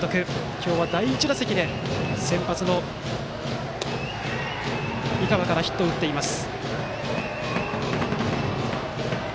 今日は第１打席で先発の井川からヒットを打っています。